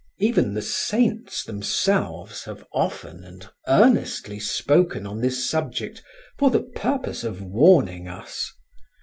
Even the saints themselves have often and earnestly spoken on this subject for the purpose of warning us.